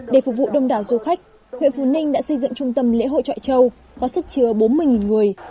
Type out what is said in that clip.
để phục vụ đông đảo du khách huyện phú ninh đã xây dựng trung tâm lễ hội trọi châu có sức chứa bốn mươi người